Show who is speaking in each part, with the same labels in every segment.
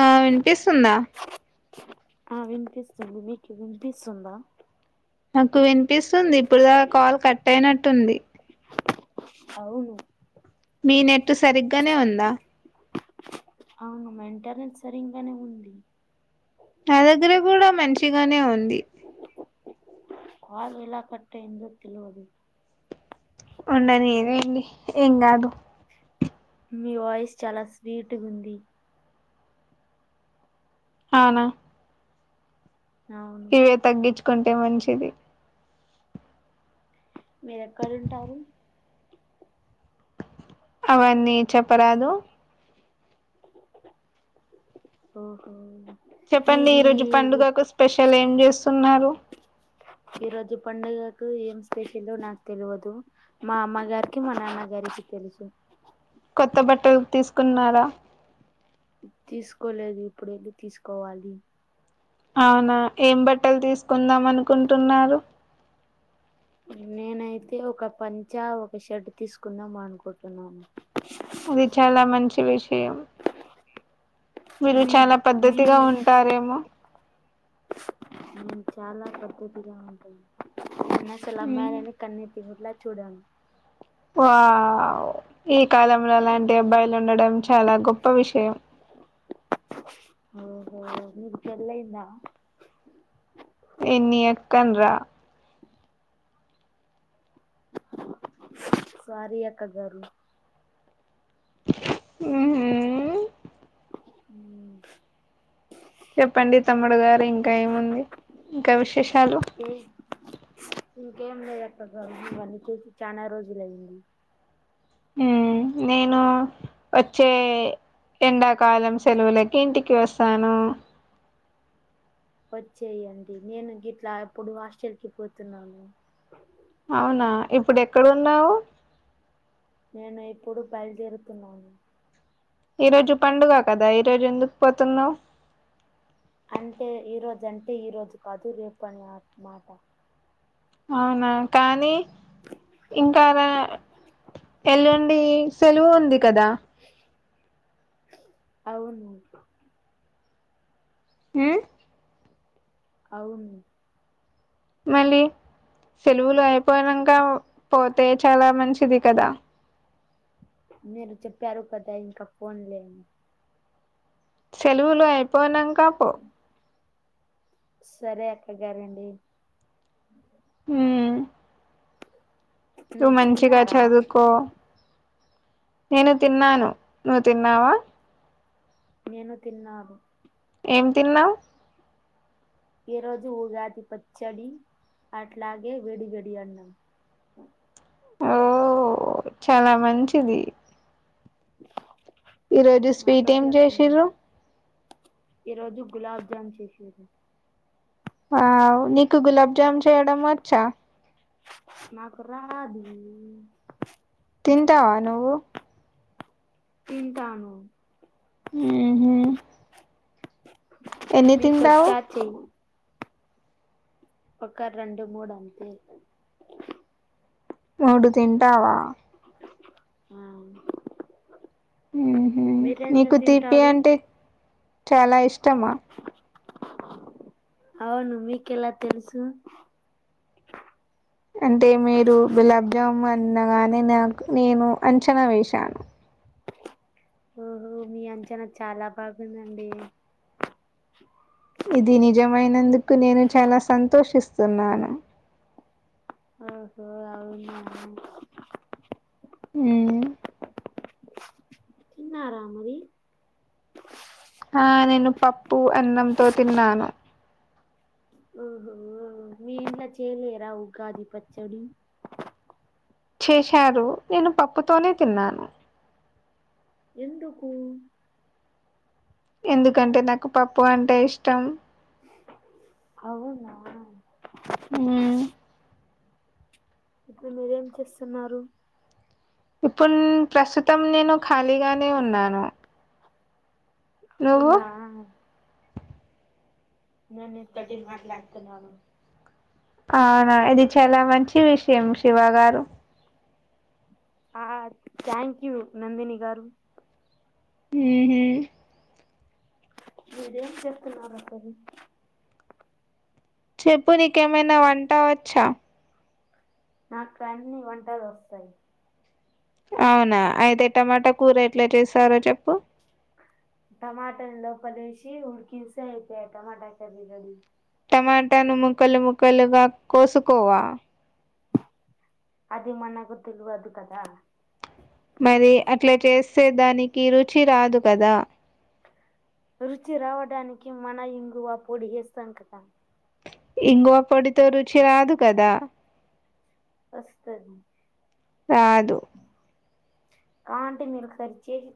Speaker 1: అహ్ వినిపిస్తుందా
Speaker 2: ఆ వినిపిస్తుంది మీకి వినిపిస్తుందా
Speaker 1: నాకు వినిపిస్తుంది ఇప్పుడు దాక కాల్ కట్ అయినట్టుంది
Speaker 2: అవును
Speaker 1: మీ నెట్ సరిగ్గానే ఉందా
Speaker 2: అవును మెంటర్నెన్స్ సరింగానే ఉంది
Speaker 1: నా దగ్గర గుడా మంచిగానే ఉంది
Speaker 2: కాల్ ఎలా కట్ అయిందో తెల్వదు
Speaker 1: ఉండని లేండి ఏం గాదు
Speaker 2: మీ వాయిస్ చాలా స్వీటుగుంది
Speaker 1: హవున
Speaker 2: అవును
Speaker 1: ఇవే తగ్గిచ్చుకుంటే మంచిది
Speaker 2: మీరెక్కడుంటారు
Speaker 1: అవన్నీ చెప్పరాదు
Speaker 2: ఓహో
Speaker 1: చొప్పండి
Speaker 2: మీది
Speaker 1: ఈరోజు పండుగకు స్పెషల్ ఏం జేస్తున్నారు
Speaker 2: ఈ రోజు పండుగకు ఏం స్పెషల్లో నాకు తెల్వదు మా అమ్మగారికి మా నాన్నగారికి తెలుసు
Speaker 1: కొత్త బట్టలు తీసుకున్నారా
Speaker 2: తీసుకోలేదు ఇప్పడెళ్ళి తీసుకోవాలి
Speaker 1: అవునా ఏం బట్టలు తీసుకుందాం అనుకుంటున్నారు
Speaker 2: నేనైతే ఒక పంచా ఒక షర్ట్ తీసుకుందాం అనుకుంటున్నాను
Speaker 1: అవి చాలా మంచి విష్ యమ్ మీరు
Speaker 2: మీ
Speaker 1: చాలా పద్ధతిగా ఉంటారేమో
Speaker 2: ఉ చాలా పద్ధతిగా ఉంటాను నేను అసలు అమ్మాయిలని కన్నెత్తి [unintelligible] చూడను
Speaker 1: వావ్ ఈ కాలంలో అలాంటి అబ్బాయిలు ఉండడం చాలా గొప్ప విషయం
Speaker 2: ఓహో మీకు పెళ్లైయిందా
Speaker 1: నిన్ని ఎస్ కోన్ క్కోన్ రా
Speaker 2: స్వారి అక్క గారు
Speaker 1: ఉహూ
Speaker 2: ఊమ్
Speaker 1: చొప్పండి తమ్ముడు గారు ఇంకా ఏముంది ఇంకా విశేషాలు
Speaker 2: ఏ ఇంకేం లేదు అక్క గారు ఇవన్నీ చూసి చానా రోజుల య్యింది
Speaker 1: మ్ నేనూ వచ్చే ఎండాకాలం సెలవులకి ఇంటికి వస్తాను
Speaker 2: వచ్చేయండి నేను గిట్లా అప్పుడు హాస్టల్ కి పోతున్నాను
Speaker 1: అవునా ఇప్పుడు ఎక్కడున్నావ్
Speaker 2: నేనా ఇప్పుడు బయల్దేరుతున్నాను
Speaker 1: ఈ రోజు పండుగ కదా ఈ రోజు ఎందుకు పోతున్నావ్
Speaker 2: అంటే ఈరోజంటే ఈ రోజు కాదు రేపు అని మాట
Speaker 1: అవునా కానీ ఇంకా రా ఎల్లుండి సెలవు ఉంది కదా
Speaker 2: అవును
Speaker 1: ఊ
Speaker 2: అవును
Speaker 1: మళ్ళి సెలువులు అయిపోయినంక పోతే చాలా మంచిది కదా
Speaker 2: మీరు చెప్యారుకాదా ఇంక పోన్ లేండి
Speaker 1: చెలువులు అయిపోయినాంక పో
Speaker 2: సరే అక్కగారండి
Speaker 1: ఉమ్ నువ్వు
Speaker 2: మీరు
Speaker 1: మంచిగా
Speaker 2: తిన్నారా
Speaker 1: చదువుకో నేను తిన్నాను నువ్వు తిన్నావా
Speaker 2: నేను తిన్నాను
Speaker 1: ఏం తిన్నావ్
Speaker 2: ఈ రోజు ఉగాది పచ్చడి అట్లాగే వడివడి అన్నాం
Speaker 1: ఓ చాలా మంచిది ఈ రోజు స్వీట్
Speaker 2: మాతోటి
Speaker 1: ఏం
Speaker 2: అట్లుండదు
Speaker 1: జెశిర్రు
Speaker 2: ఈ రోజు గులాబ్జామ్ చేశిర్రు
Speaker 1: వావ్ నీకు గులాబ్జామ్ చేయడం వచ్చా
Speaker 2: నాకు రాదు
Speaker 1: తింటావా నువ్వు
Speaker 2: తింటాను
Speaker 1: ఊహూ ఎన్ని
Speaker 2: మీకు
Speaker 1: తింటావు
Speaker 2: వచ్చా చెయ్ ఒక రెండు మూడు అంతే ఇగ
Speaker 1: మూడు తింటావా
Speaker 2: ఆ
Speaker 1: ఉహు
Speaker 2: మీరెంత
Speaker 1: నీకు తీపి
Speaker 2: తింటాడు
Speaker 1: అంటే చాలా ఇష్టమా
Speaker 2: అవును మీకెలా తెలుసు
Speaker 1: అంటే మీరు గులాబ్ జాము అనగానే నాకు నేను అంచనా వేశాను
Speaker 2: ఓహో మీ అంచనా చాలా బాగుందండి
Speaker 1: ఇది నిజమైనందుకు నేను చాలా సంతోషిస్తున్నాను
Speaker 2: ఓహో అవునా
Speaker 1: హ్మ్మ్
Speaker 2: తిన్నారా మరి
Speaker 1: ఆ నేను పప్పు అన్నంతో తిన్నాను
Speaker 2: ఓహోఓ మీ ఇంట్లో చేయలేరా ఉగాది పచ్చడి
Speaker 1: చేశారు నేను పప్పుతోనే తిన్నాను
Speaker 2: ఎందుకు
Speaker 1: ఎందుకంటే నాకు పప్పు అంటే ఇష్టం
Speaker 2: అవునా
Speaker 1: హ్మ్మ్
Speaker 2: ఇప్పుడు మీరేం చేస్తున్నారు
Speaker 1: ఇప్పుడు ప్రస్తుతం నేను ఖాళీగానే ఉన్నాను నువ్వు
Speaker 2: ఉన్నావా
Speaker 1: నేను నీతోటి మాట్లాడుతున్నాను అవునా ఇది చాలా మంచి విషయం శివ గారు
Speaker 2: ఆ థ్యాంక్ యూ నందిని గారు
Speaker 1: ఉహు
Speaker 2: మీరేం చెప్తున్నారు అసలు
Speaker 1: చెప్పు నీకేమైనా వంటావచ్చా
Speaker 2: నాకు అన్నీ వంటలు వస్తాయి
Speaker 1: అవునా అయితే టమాటా కూర ఎట్లా చేస్తారో చెప్పు
Speaker 2: టమాటాని లోపలేశి ఉుడ్కిస్తే అయిపోయే టమాటా కర్రి రెడీ
Speaker 1: టమాటాను ముక్కలు ముక్కలుగా కోసుకోవా
Speaker 2: అది మన్నకు తెలవదు కదా
Speaker 1: మరి అట్లా చేస్తే దానికి రుచి రాదు కదా
Speaker 2: రుచి రావడానికి మన ఇంగువా పొడి ఏస్తాం కదా
Speaker 1: ఇంగువ పొడితో రుచి రాదు కదా
Speaker 2: వస్తది
Speaker 1: రాదు
Speaker 2: కావాలంటే మీరు ఒకసారి చెయ్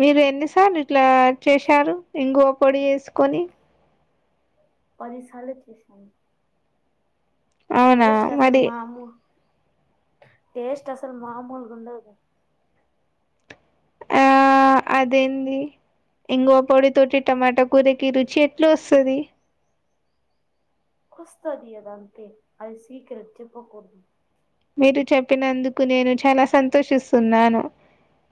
Speaker 1: మీరు ఎన్నిసార్లు ఇట్లా చేసారు ఇంగవ పొడి వేసుకొని
Speaker 2: పది సార్లు
Speaker 1: అవునా మరి
Speaker 2: మామూ టేస్ట్ అసలు మామూలుగా ఉండదు
Speaker 1: ఆ అదేంటి ఇంగువ పొడి తోటి టమాటా కూరకి రుచి ఎట్లా వస్తది
Speaker 2: వస్తాది ఇంకా అది సీక్రెట్ చెప్పకు
Speaker 1: మీరు చెప్పినందుకు నేను చాలా సంతోషిస్తున్నాను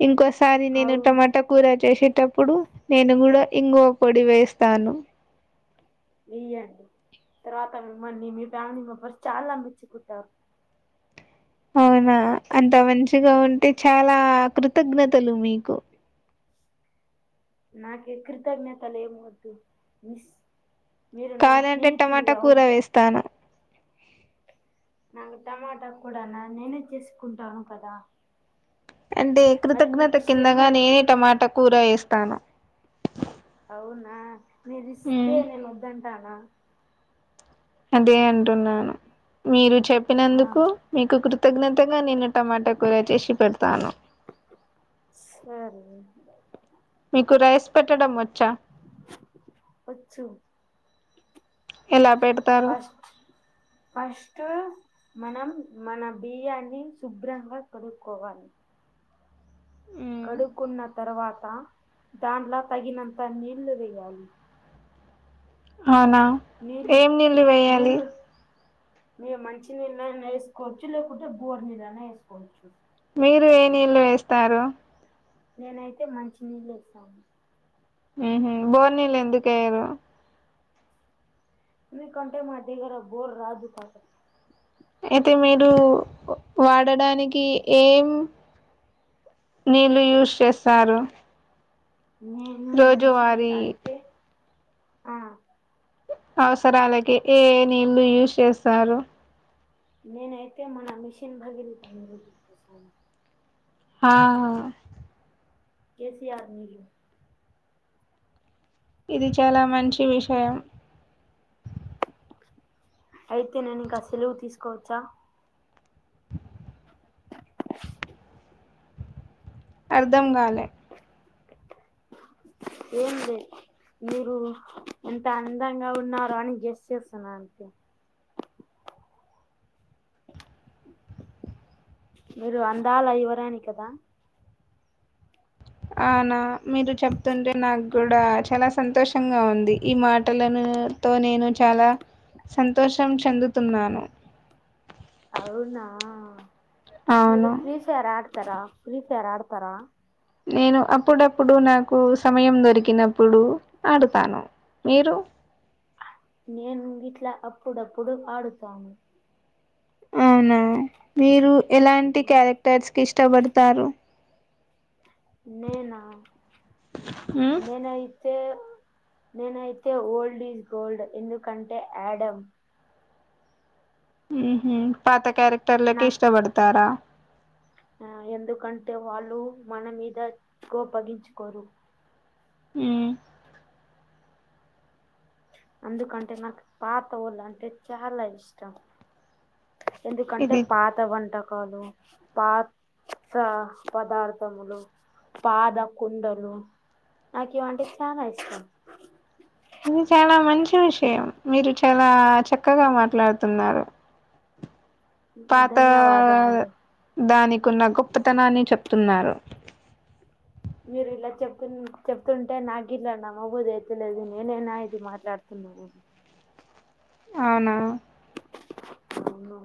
Speaker 1: ఇంకోసారి నేను
Speaker 2: అవును
Speaker 1: టమాటా కూర చేసి టప్పుడు నేను కూడా ఇంగువ పొడి వేస్తాను
Speaker 2: ఇయ్యండి తర్వాత మిమ్మల్ని మీ ఫ్యామిలీ మెంబర్స్ చాలా మెచ్చుకుంటారు
Speaker 1: అవునా అంత మంచిగా ఉంటే చాలా కృతజ్ఞతలు మీకు
Speaker 2: నాకే కృతజ్ఞతలు ఏమి వద్దు మీరు నా
Speaker 1: కావాలంటే టమాటా
Speaker 2: స్నేహితులుగా
Speaker 1: కూర
Speaker 2: ఉంటా
Speaker 1: వేస్తాను
Speaker 2: నాకు టమాటా కూడానా నేనే చేసుకుంటాను కదా
Speaker 1: అంటే
Speaker 2: మరి
Speaker 1: కృతజ్ఞత
Speaker 2: మీకు
Speaker 1: కిందగా
Speaker 2: శ్రమే
Speaker 1: నేనే టమాటా కూర వేస్తాను
Speaker 2: అవునా మీరు ఇస్తే
Speaker 1: ఉమ్
Speaker 2: నేను వద్దంటానా
Speaker 1: అదే అంటున్నాను మీరు
Speaker 2: ఆ
Speaker 1: చెప్పినందుకు మీకు కృతజ్ఞతగా నేను టమాట కూర చేసి పెడతాను
Speaker 2: సరే
Speaker 1: మీకు రైస్ పెట్టడం వ
Speaker 2: వచ్చు
Speaker 1: ఎలా పెడతారు
Speaker 2: ఫస్ట్ ఫస్ట్ మనం మన బియ్యాన్ని శుభ్రంగా కడుక్కోవాలి
Speaker 1: ఉమ్,
Speaker 2: కడుక్కున్న తర్వాత దానిలా తగినంత నీళ్లు వేయాలి
Speaker 1: అవునా ఏం నీళ్ళు వేయాలి
Speaker 2: మేము మంచినీళ్ళనా వేసుకోవచ్చు లేకుంటే బోర్ నీళ్ళనా వేసుకోవచ్చు
Speaker 1: మీరు ఏ నీళ్ళు వేస్తారు
Speaker 2: నేనైతే మంచినీళ్లు వేసాను
Speaker 1: హ్మ్మ్ బోర్ నీళ్లు ఎందుకెయ్యరు
Speaker 2: మీ కంటే మా గరా బోర్ రాదు కా
Speaker 1: ఇది మీరు వాడడానికి ఏం నీళ్ళు యూస్ చేస్తారు
Speaker 2: నేను మంచి నీళ్ళు
Speaker 1: రోజువారీ
Speaker 2: అంటే ఆ
Speaker 1: అవసరాలకి ఏ ఏ నీళ్ళలు యూజ్ చేస్తారు
Speaker 2: నేనైతే మన మిషన్ భగలిని
Speaker 1: ఆ
Speaker 2: కసి ఆర్మలు
Speaker 1: ఇది చాలా మంచి విషయం
Speaker 2: అయితే నేను ఇకా ఆ సెలువు తీసుకోవచ్చా
Speaker 1: అర్ధం కాలే
Speaker 2: ఏంటి మీరు ఎంత అందంగా ఉన్నారు అని గెస్ చేస్తున్న అంతే మీరు అందాల యువరాణి కదా
Speaker 1: అనా మీరు చెప్తుంటే నాకు కూడా చాలా సంతోషంగా ఉంది ఈ మాటలను తో నేను చాలా సంతోషం చెందుతున్నాను
Speaker 2: అవునా మీరు
Speaker 1: అవును
Speaker 2: ఫ్రీ సరా తర ఫ్రీఫైర్ ఆడతారా
Speaker 1: నేను అప్పుడప్పుడు నాకు సమయం దొరికినప్పుడు ఆడతాను మీరు
Speaker 2: నేను ఇ ట్లా అప్పుడప్పుడు ఆడుతాను
Speaker 1: అవునా మీరు ఎలాంటి క్యారెక్టర్స్ కి ఇష్టపడతారు
Speaker 2: నేనా
Speaker 1: మ్మ్
Speaker 2: నేనైతే నేనైతే ఓల్డ్ ఈజ్ గోల్డ్ ఎందుకంటే యాడమ్
Speaker 1: ఉంహు పాత క్యారెక్టర్లకే ఇష్టపడతారా
Speaker 2: ఆ ఎందుకంటే వాళ్ళు మన మీద కోప్పగించుకోరు
Speaker 1: ఊమ్
Speaker 2: అందుకంటే నాకు పాత వాళ్ళంటే అంటే చాలా ఇష్టం ఎందుకంటే
Speaker 1: ఇది
Speaker 2: పాత వంటకాలు పాత్ ఆ పదార్థములు పాద కుండలు నాకివి అంటే చాలా ఇష్టం
Speaker 1: ఇది చాలా మంచి విషయం మీరు చాలా చక్కగా మాట్లాడుతున్నారు పాత
Speaker 2: ధన్యవాదములు
Speaker 1: దానికి కున్న గొప్పతనాన్ని చెప్తున్నారు
Speaker 2: మీరు ఇలా చెప్తు చెప్తుంటే నాగిల్లా నామవ్ోదే తెలిదు నేనేనా ఇది మాట్లాడుతున్నా నా అని
Speaker 1: అవునా
Speaker 2: అవును